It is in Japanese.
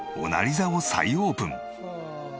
座を再オープン。